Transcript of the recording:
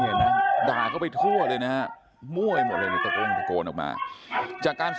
นี่คือในปราวุฒินะครับเอออโยยวายพูดออกมาบอกนี่ถ้าใครร่องแก้เด็กนี่จะตายแน่